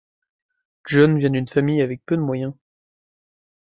John vient d'une famille avec peu de moyens.